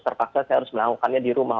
terpaksa saya harus melakukannya di rumah